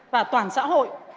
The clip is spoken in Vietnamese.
và toàn xã hội